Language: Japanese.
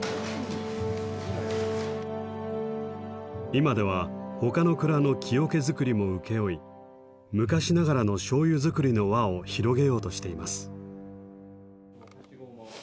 今ではほかの蔵の木桶作りも請け負い昔ながらの醤油造りの輪を広げようとしています。